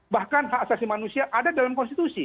bahkan hak asasi manusia ada dalam konstitusi